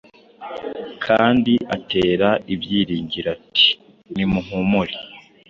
kandi atera ibyiringiro ati: Nimuhumure